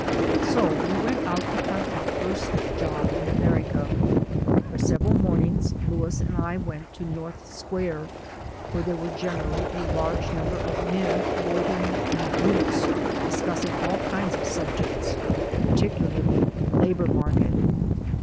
So we went out to hunt our first job in America. For several mornings Louis and I went to North Square, where there were generally a large number of men loitering in groups discussing all kinds of subjects, particularly the labor market.